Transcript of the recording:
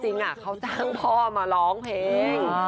เพราะว่าจริงอะเขาจ้างพ่อมาร้องเพลง